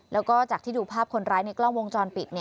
แล้วก็จากที่ดูภาพคนร้ายในกล้องวงจรปิด